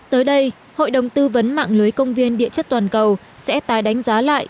tới đây hội đồng tư vấn mạng lưới công viên địa chất toàn cầu sẽ tài đánh giá lại